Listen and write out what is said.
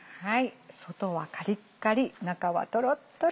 外はカリッカリ中はトロットロ。